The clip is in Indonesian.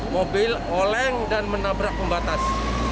mobil oleng dan menabrak pembatas